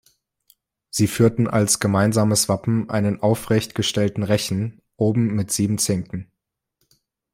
Sie führten als gemeinsames Wappen einen aufrecht gestellten Rechen, oben mit sieben Zinken.